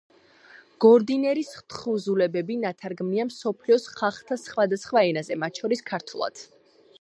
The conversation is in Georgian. გორდინერის თხზულებები ნათარგმნია მსოფლიოს ხალხთა სხვადასხვა ენაზე, მათ შორის, ქართულად.